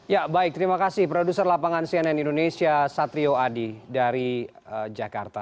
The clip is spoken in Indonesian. ya baik terima kasih produser lapangan cnn indonesia satrio adi dari jakarta